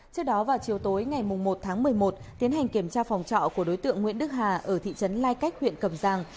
trước đó vào chiều tối ngày một tháng một mươi một tiến hành kiểm tra phòng trọ của đối tượng nguyễn đức hà ở thị trấn lai cách huyện cầm giang